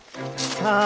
さあ！